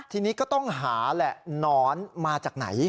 ทีนี้ก็ต้องหาแหละหนอนมาจากไหน